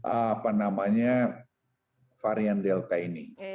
apa namanya varian delta ini